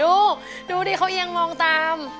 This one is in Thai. ดูดูดิเขายังมองตาม